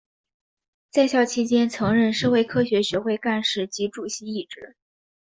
在校期间曾任社会科学学会干事及主席一职。